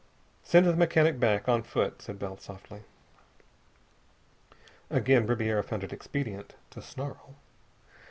"Send the mechanic back, on foot," said Bell softly. Again Ribiera found it expedient to snarl.